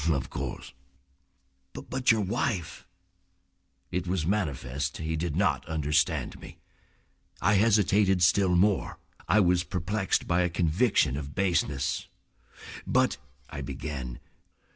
"Of course." "But your wife—?" It was manifest he did not understand me. I hesitated still more. I was perplexed by a conviction of baseness. "But—" I began.